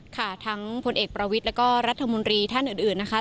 ค่ะทั้งพลเอกประวิทย์แล้วก็รัฐมนตรีท่านอื่นนะคะ